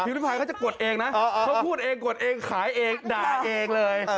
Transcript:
พิริพายเขาจะกดเองนะเขาพูดเองกดเองขายเองด่าเองเลย